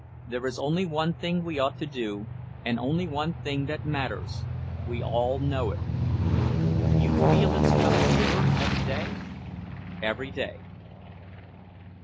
There is only one thing we ought to do, and only one thing that matters; we all know it." "You feel it's coming nearer every day?" "Every day."